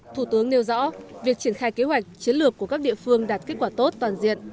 thủ tướng nêu rõ việc triển khai kế hoạch chiến lược của các địa phương đạt kết quả tốt toàn diện